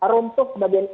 rumtuh ke bagian